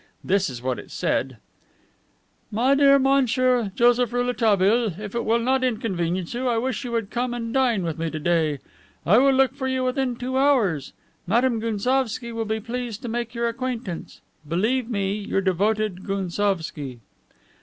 This is what it said: "My dear Monsieur Joseph Rouletabille, if it will not inconvenience you, I wish you would come and dine with me to day. I will look for you within two hours. Madame Gounsovski will be pleased to make your acquaintance. Believe me your devoted Gounsovski."